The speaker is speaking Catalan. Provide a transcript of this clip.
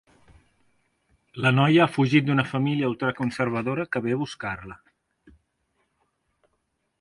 La noia ha fugit d'una família ultraconservadora que ve a buscar-la.